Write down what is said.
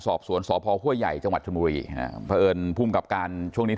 สอบสวนสพห้วยใหญ่จังหวัดชนบุรีฮะเพราะเอิญภูมิกับการช่วงนี้